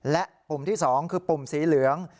และปุ่มที่๒คือปุ่มสีเหลือง